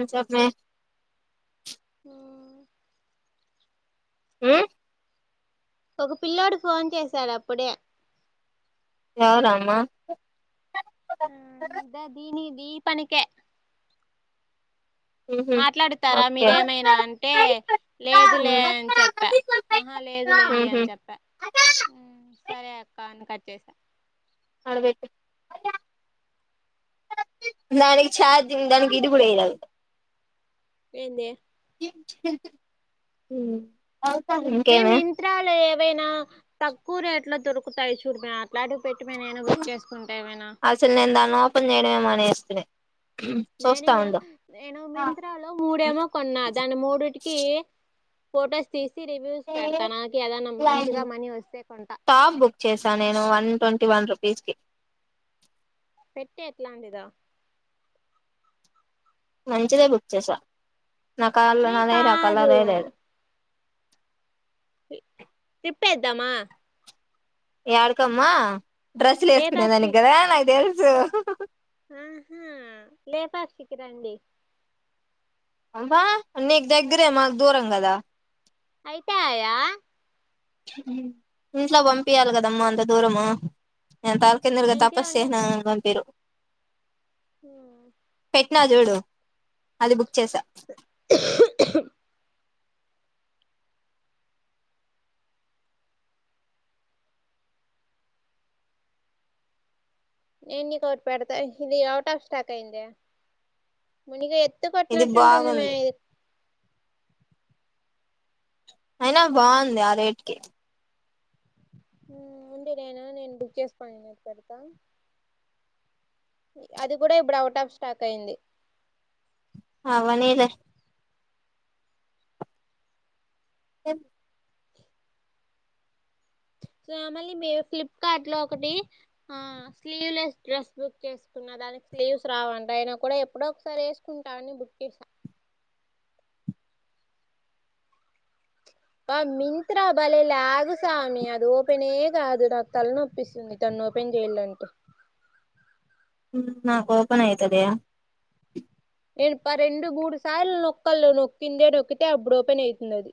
మ్ చెప్మె ఊమ్ ఒక పిల్లోడు ఫోన్ చేశాడు అప్పుడే ఎవరామా ఆ ఇద దీని దీ పనికే ఉహు మాట్లాడుతారా ఓకే మీరేమైనా అంటే లేదు లే ఉమ్ అని చెప్పా ఆహా లేదులేండి ఉహు అని చెప్పా సరే అక్క అని కట్ చేసా ఆడ పెట్టు దానికి చార్జింగ్ గీడు కూడా చేయాలై ఏందె మ్మ్ ఇంకేమే వైనా తక్కువ రేట్లు దొరుకుతాయి చూడు మే అట్లాటివ్ అస్సలు నేను దాన్ని ఓపెన్ జేయడమే మానెస్ తే నేనియో నేను మింత్రా లో మూడేమో కొన్నా దాని మూడిటికి ఫోటోస్ తీస్ మనీ వస్తే కొంటా టాప్ బుక్ చేసా నేను one twenty one rupees కి పెట్టు ఎట్లాంటిదో మంచిదే బుక్ చేసా నా కాల్ల మీ ననే నా కాదు కలరే లేదు ట్రిప్పు ఏద్దామా యాడికమ్మ డ్రెస్లు వేసుకునే లేపాక్షి దానికి కదా నాకు తెలుస్ సో ఆహా లేపాక్షికి రండి అంబ్బా నీకు దగ్గరే మాకు దూరం కదా కాయా ఇంట్లో పంపియాలి కదమ్మ అంత దూరము నేను మా తలకిందులుగా ఇంట్లో తపస్సు ఉండే చేసిన నన్ను పంపియ్యరు పెట్టినచూడుఅది బుక్ చేసా నేను నీకు ఒకటి పెడతా ఇది ఔట్ ఆఫ్ స్టాక్ అయింది మునిగా ఎ ఇది బాగుంది అయినా బాగుంది ఆ రేటుకి ఉడి నేను నేను బుక్ చేసుకోని మీకు పెడుత అది కూడా ఇప్పుడు అవుట్ ఆఫ్ స్టాక్ అయింది అవ్వలేదా చెప్ సో మళ్లీ మీరుఫ్లిప్కార్ట్ లో ఒకటి ఆ స్లీవ్లెస్ డ్రెస్ బుక్ చేసుకున్న దానికి స్లీవ్స్ రావంట ఆయన కూడా ఎప్పుడో ఒకసారి వేసుకుంటా అని బుక్ చేసా ఆ మింత్రాభలే ల్యాగు స్వామి అది ఓపెన్ కాదు నాకు తలనొప్పిస్తుంది తను ఓపెన్ చేయాలంటే నాకు ఓపన్ అయితదే నేను రెండు మూడు సార్లు నొక్కల్లో నొక్కిందే నొక్కితే అప్పుడుఓపెన్ అయితున్నది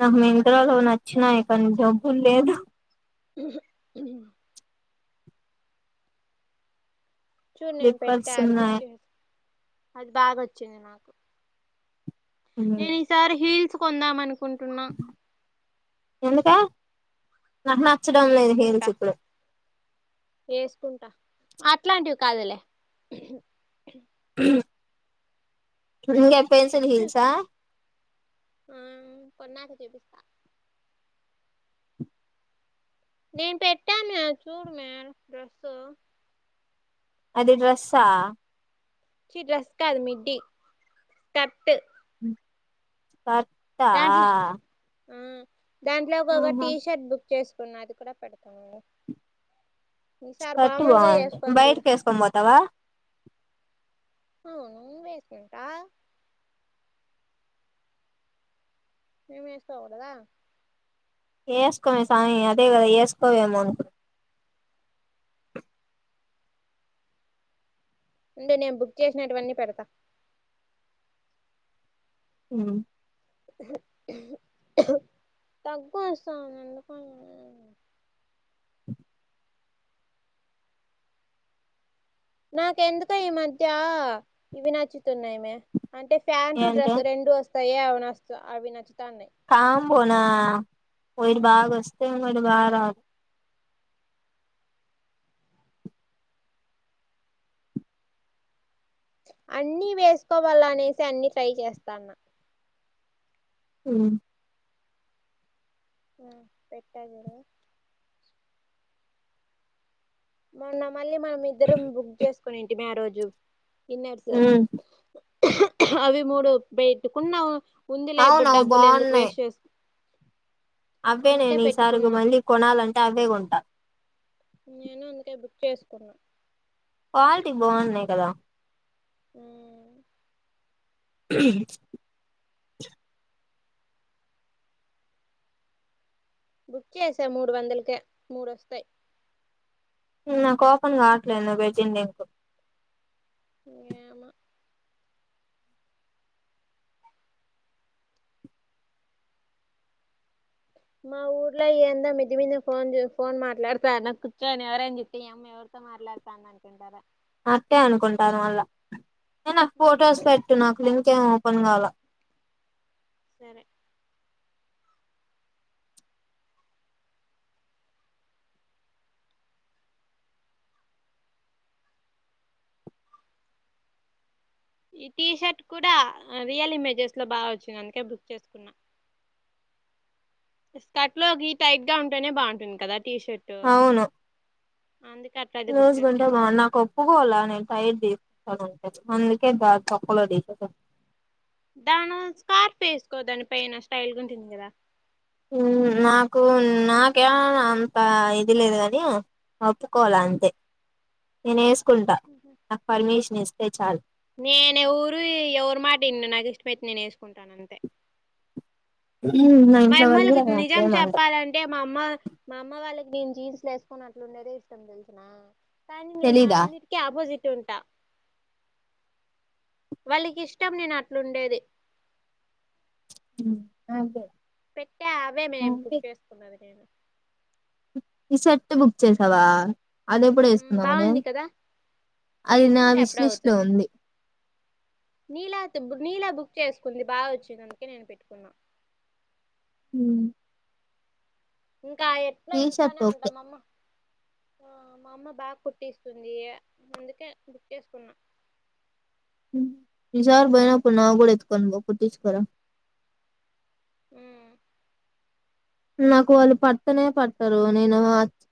నాకు మింత్రా నచ్చినాయి కానీ డబ్బులు లేదు చూడు నేను స్లిప్పర్స్ పెట్టారు ఉన్నాయి అది బావొచ్చింది వచ్చింది నాకు నేను సార్ హిల్స్ కొందామనుకు ఎందుకు నాకు నచ్చడం నేను లేదు వేసుకుంటా హిల్స్ ఇప్పుడు వేసుకుంటా అట్లాంటివి కాదులే ఉహ్ ఇంకా ఏమ్ పెన్సిల్ హిల్ సా. ఆహా కొన్నాక చూపిస్తా నేను పెట్టాను చూడుమే డ్రెస్సు అది డ్రస్సా చి డ్రెస్ కాదు అది మిడ్టి స్కర్ట్ స్కర్ట్ దాంట్లో ఆహా ఆ దాంట్లో ఒక టీ షర్ట్ బుక్ చేసు ఉన్న అది కూడా పెడుతున్నా స్కర్ట్ బాగుంది బయటకి వేసుకొని పోతావా అవును వేసుకుంటా మీము వేసుకోకూడదా వేసుకోమే స్వామి అదే కదా వేసుకోవేమో అనుకు అంటే నేను బుక్ చేసినటువన్నీ పెడతా హ్మ్ దగ్గు వస్తది ఎందుకో ఏమో నాకెందుకో ఈ మధ్య ఇవి నచ్చుతున్నాయమే అంటే ఫ్యాంటు ఏంటి డ్రెస్ రెండు వస్త సయ అవనస్ అవినా కామ్ బోనా ఒకటి బాగా వస్త ఇంకోటి బాగా దా ద్. అన్ని వేసుకోవాల అనేసి అన్ని ట్రై చేస్తాన్న హ్మ ఆ పెట్టాను చూడు మొన్న మళ్ళీ మనం ఇద్దరం బుక్ చేసుకుని ఏంటి మే ఆ రోజు జీ వ్ [unintelligible] అవి మూడు పెట్టుకున్నా ఉందిలే అవును డబ్బులు ఎందుకు వేస్ట్ చేసు అవేనే అందుకే నీ సరుకు పెట్టుకున్నా మళ్ళీ కొనాలంటే అవే కొంటా నేను అందుకే బుక్ చేసుకున్నా క్వాలిటీ బాగున్నాయి కదా హ బుక్ చేసా మూడు వందలకే మూడువస్తాయి నాకు ఓపెన్ కావట్లేదు వెజ్ ఇండియన్ కు [inaudible] మా ఊర్లో ఏందో మిద్దె మీద ఫోన్ చేసి ఫోన్ అట్టే అనుకుంటారు మళ్ళా నే నాకు ఫోటోస్ పెట్టు నాకు లింకేం ప్పంగాల సరే ఈ టీషర్ట్ కూడా రియల్ ఇమేజెస్ లో బాగా వచ్చింది అందుకే బుక్ చేసుకున్నా కట్లోకి టైట్ గా ఉంటేనే బావుంటుంది కదా టీషర్టు రోజుకొంటా బాగున్ను నాకు ఒప్పుకోవాల నేను టైర్ది అందుకే దా తొక్క లోది దాను స్కార్ప్ వేసుకో దాని పైన స్టైల్ గా ఉంటుంది కదా హ్మ్ నాకు నాకేమ అంత ఇది లేదు గాని ఒప్పుకోల అంతే నేనెసు కుంట నాకు పర్మిషన్ ఇస్ ఏ చాలు నేను ఎవరు ఎవరు మాటవినను నాకు ఇష్టమైతే నేను వేసుకుంటాను అం మా ఇంట్లో వాళ్ళు యమ్మోళ్ళకి కూడా నిజం అట్లేమనరు చెప్పాలంటే మా అమ్మ మా అమ్మ వాళ్ళకి నేను జీన్స్ లేేసుకుని అట్లుండేదే ఇష్టం తెలిసిన కానీ నేను తెలీదా అన్నిటికీ ఆపోజిట్ వాళ్ళకి ఇష్టం నేను అట్లుండేది ఆ పెట్టే అవే మేము బుక్ చేసుకున్నది నేను ఈషర్ట్ బుక్ చేసావా అది ఎప్పుడు వేసుకుందామని బాగుంది కదా అది నా వేసుకుంటే అప్పుడే విశ్లిష్లో అవుతాయి ఉంది నీలా నీలా బుక్ చేసుకుంది బాగా వచ్చిందిందుకే నేను పెట్టుకున్నా హ్మ్ ఇంకా ఎట్లా షర్ట్ ఇంట్లోనే ఓకే ఉంటాం అమ్మ ఆ మా అమ్మ బాగ కుట్టిస్తుంది అందుకే బుక్ చేసుకున్నా ఈసారి పోయినప్పుడు నావి కూడా ఎత్తుకొని పో కుట్టించుకు రా హ్మ్ నాకు వాళ్ళు పట్టనే పట్టరు. నేను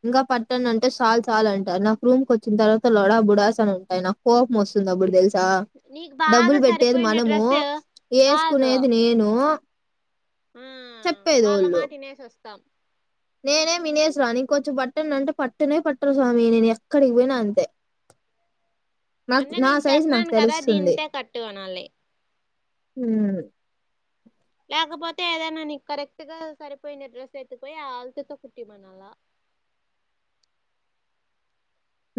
ఇంకా పట్టనుఅంటే చాలు చాలు అంటారు నాకు రూమ్కి వచ్చిన తర్వాత లొడా బుడాస్ అని ఉంటాయి నాకు కోపం వస్తుంది అప్పుడు తెలుస్ నీకు డబ్బులు బాగా పెట్టేది సరిపోయిండే మనము డ్రెస్ కాదు వేసుకునేది నేను ఆ చెప్పేది వాళ్ళ వాళ్ళు మాటి వినేసొస్ తం నేనే మినేస్రాను ఇంకొంచెం బట్టన్న అంటే పట్టనే పట్టరు స్వామి నేను ఎక్కడికి పోయినా అంతే నాకు అన్న నా నేను సైజు నాకు చెప్తునన్ కదా దీంతే కట్టు అనాలి హ్మ్ లేకపోతే ఏదైనా నీకు కరెక్ట్ గా సరిపోయిన డ్రెస్ ఎత్తుక్ పోయి ఆ ఆల్తి తో కుట్టిమ్మనాలా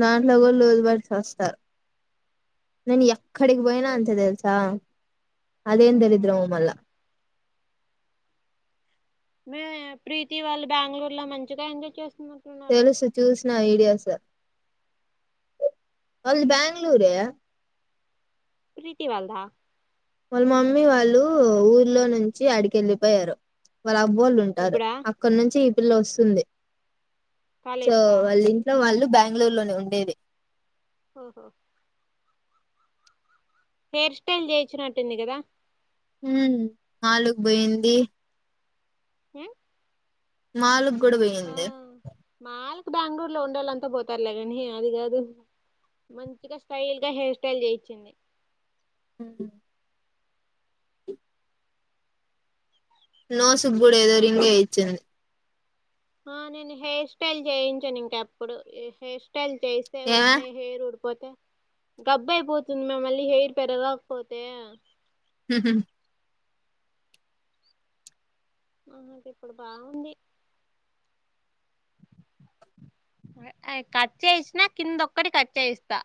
దాంట్లో కూడా లూజుబెట్ చస్తార్ నేన్ హ్మ్. ఎక్కడికి పోయినా నువ్వు అంతే తెల్సా అదేం దరిద్రమో హ్మ్. మల్లా మే ప్రీతి వాళ్ళు బెంగళూరు లో మంచిగా ఎంజాయ్ చేస్ తెల్సు చూసిన వీడియోస్ అళ్ది బ్యాంగ్ ళూరే ప్రీతి వాళ్దా వాళ్ళ మమ్మీ వాళ్ళు ఊర్లో నుంచి ఆడికి వెళ్ళిపోయారు వాళ్ళ అబ్బోళ్ళు ఉంటారు ఇప్పుడా అక్కడ నుంచి పిల్ల వస్సుంది సో కాలేజ్కా వాళ్ళ ఇంట్లో వాళ్ళు బ్యాంగ్ ళూరు లోనే ఉండేది ఓహో హెయిర్ స్టైల్ జయించినట్టుంది కదా హ నాలుగు పోయింది హ మాలు కూడా పోయింది మాలకు బెంగళూరులో ఉండేళ్ళంతా పోతారులే కానీ అది కాదు మంచిగా స్టైల్ గా హెయిర్ స్టైల్ చేయించింది హ న సుగగుడ ఏదో రింగే వచ్చింది ఆ నేను హెయిర్ స్టైల్ చేయించాను ఇంకా ఎప్పుడు హెయిర్ స్ చేస్తే ఏమే ఉన్నాయి హెరు ఉ పోతే గబ్బు అయిపోతుంది మే మళ్ళీ హెయిర్ పెరలేకపోతే హ అకు ఇప్పుడు బాగుంది కట్ చేసినా కిందొక్కటి కట్ చేయిస్తా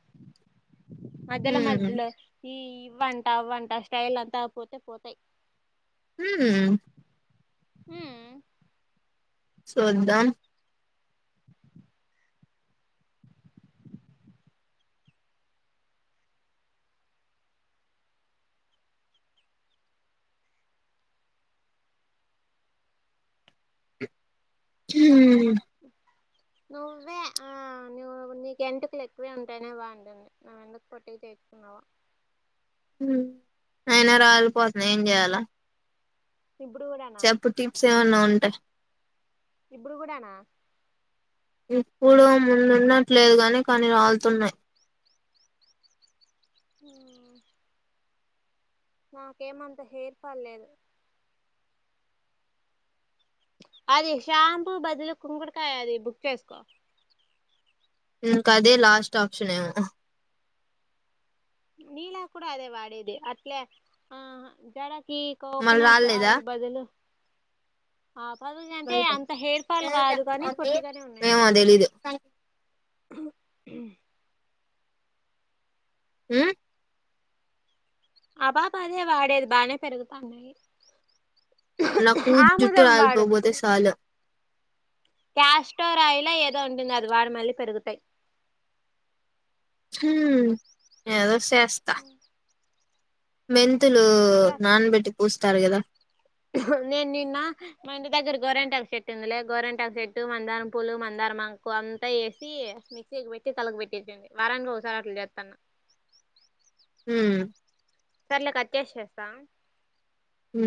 అదల మధలు ఈ ఇవ్వంట అవ్వంట స్టైల్ అంతా పోతే పోతాయి హ హ సుద్దాం హ నువ్వే ఆ నువ్వు నీకెంటుకలు ఎక్కువే ఉంటానే బాగుంటుంది నువ్వెందుకు కొట్టిగా చేసుున్నావా అయినా రాలిపోతుంది ఏం చేయాలా ఇప్పుడు కూడానా చెప్పు టిప్స్ ఏమైన్నా ఉంటా అస్ ఇప్పుడు కూడాడానా ఇప్పుడు ముందున్నట్లేదు గాని కానీ రాలుతున్నాయి అ నాకేమంత హెయిర్ ఫాల్ లేదు అది షాంపూ బదులు కుంగడుకాయ అది బుక్ చేసుకో ఇక అదే లాస్ట్ ఆప్షన్ ఏ నీలా కూడాడా అదే వాడేది అట్లే ఆ జడ ఈ మళ్ళీ కోకనట్ రాలేదా ఆయిల్ బదలు ఆ పదలు అంటే అంత హెయిర్ ఫల్ కాదు కానీ పొట్టిగానే ఉన్నాయి ఏమో ఇంటికులు తెలీదు ఆ ఆ బాబా అదే వాడేది బాగానే పెరుగుతాన్నాయి నకుూ జుట్ ఆముదం ఆల్ బబతే సాల క్యాస్టోరాయిలా ఏదో ఉంటుంది అది వాడు మళ్ళీ పెరుగుతాయి హ ఏద తె అస్తా మెంతులు సార్ నాన్బెట్ పూస్తారు కదా నేను నిన్న మంటి దగ్గర గోరెంటక చెట్టు ఉందిలే గోరెంటక చెట్టు మందారం పూలు మందారం మకు అంతా వేసి మిక్సీకి పెట్టి తలలకు పెట్టించంది వారానికి ఒకసారి అట్లు చేస్తాను హ సర్లే క వచ్చేసేస్తాం హ